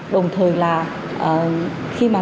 đồng thời là khi mà